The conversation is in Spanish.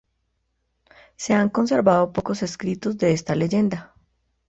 Se han conservado pocos escritos de esta leyenda.